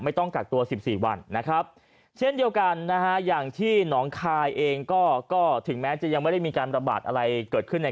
ต้องกักตัว๑๔วันนะครับเช่นเดียวกันนะฮะอย่างที่หนองคายเองก็ถึงแม้จะยังไม่ได้มีการระบาดอะไรเกิดขึ้นใน